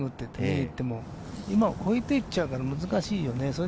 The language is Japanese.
今は越えていっちゃうから難しいよね。